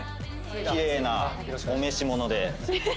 きれいなお召し物で。